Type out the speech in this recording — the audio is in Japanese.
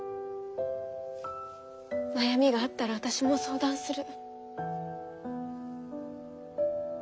悩みがあったら私も相談する。